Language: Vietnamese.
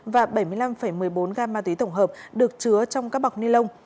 và bảy mươi năm một mươi bốn gam ma túy tổng hợp được chứa trong các bọc ni lông